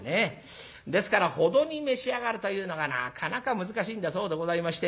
ですからほどに召し上がるというのがなかなか難しいんだそうでございまして。